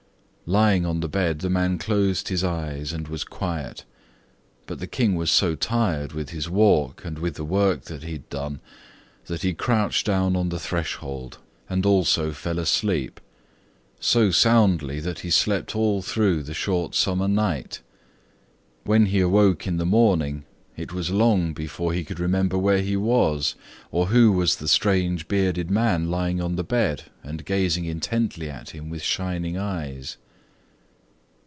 Lying on the bed the man closed his eyes and was quiet; but the King was so tired with his walk and with the work he had done, that he crouched down on the threshold, and also fell asleep so soundly that he slept all through the short summer night. When he awoke in the morning, it was long before he could remember where he was, or who was the strange bearded man lying on the bed and gazing intently at him with shining eyes.